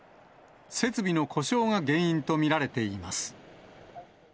設備の故障が原因と見られています。